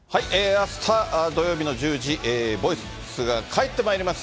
あした土曜日の１０時、ボイス２、が帰ってまいります。